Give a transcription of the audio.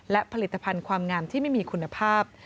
และผลิตภัณฑ์ความงามที่ไม่มีคุณภาพ